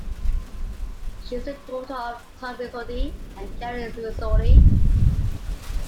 She is the daughter of Tom Rizzotti and Carol Rizzotti.